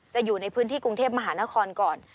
อยู่ในพื้นที่กรุงเทพมหานครก่อน